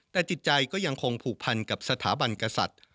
แต่จิตใจก็ยังคงผูกพันกับสถาบันกษัตริย์